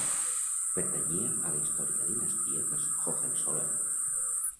Pertanyia a la històrica Dinastia dels Hohenzollern.